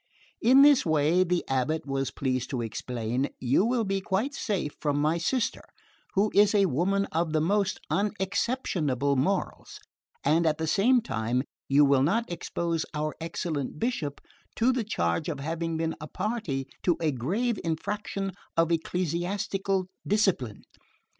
"In this way," the Abbot was pleased to explain, "you will be quite safe from my sister, who is a woman of the most unexceptionable morals, and at the same time you will not expose our excellent Bishop to the charge of having been a party to a grave infraction of ecclesiastical discipline.